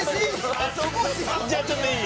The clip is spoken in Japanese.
じゃあちょっといい？